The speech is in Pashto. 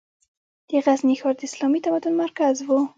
د غزني ښار د اسلامي تمدن مرکز و.